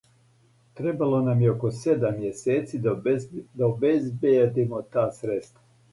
Требало нам је око седам мјесеци да обезбиједимо та средства.